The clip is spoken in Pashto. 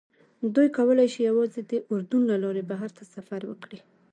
دوی کولی شي یوازې د اردن له لارې بهر ته سفر وکړي.